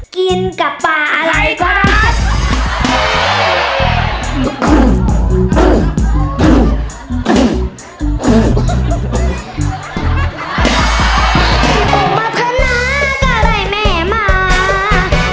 กินกับปลาอะไรครับ